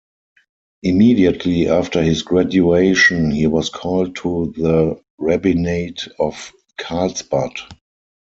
Immediately after his graduation he was called to the rabbinate of Carlsbad.